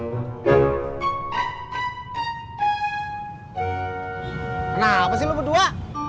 kenapa sih lo berdua